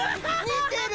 似てる！